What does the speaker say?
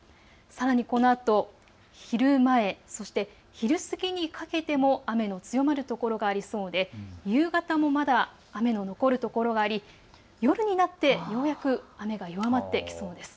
さらに、このあと昼前、そして昼過ぎにかけても雨の強まる所がありそうで夕方もまだ雨の残る所があり夜になって、ようやく雨が弱まってきそうです。